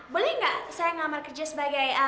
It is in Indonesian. boleh gak saya ngamar kerja sebagai